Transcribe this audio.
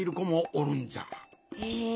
へえ。